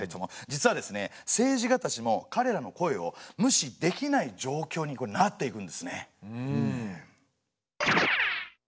実は政治家たちもかれらの声を無視できない状況になっていくんですね。